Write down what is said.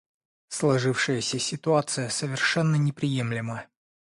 Сложившаяся ситуация совершенно неприемлема.